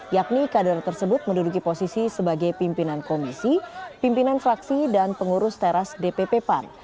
yakni kader tersebut menduduki posisi sebagai pimpinan komisi pimpinan fraksi dan pengurus teras dpp pan